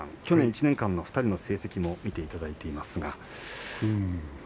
去年１年間の２人の成績を見ていただいています。